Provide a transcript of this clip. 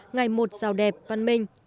ngày một giàu đẹp văn minh